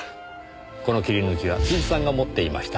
この切り抜きは辻さんが持っていました。